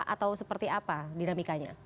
atau seperti apa dinamikanya